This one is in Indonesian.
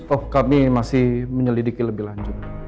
oh kami masih menyelidiki lebih lanjut